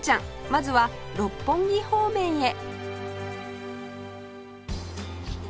まずは六本木方面へ